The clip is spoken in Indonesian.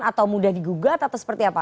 atau mudah digugat atau seperti apa